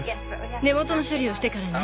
根元の処理をしてからね。